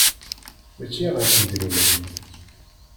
Mačči ɣef yidrimen.